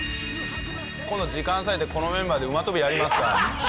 今度時間割いてこのメンバーで馬跳びやりますか。